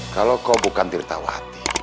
kalau kau bukan tirtawati